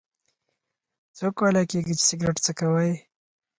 څو کاله کیږي چې سګرټ څکوئ؟